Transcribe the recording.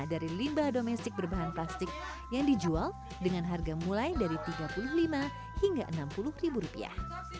dari limbah domestik berbahan plastik yang dijual dengan harga mulai dari tiga puluh lima hingga enam puluh ribu rupiah